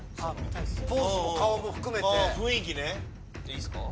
いいっすか。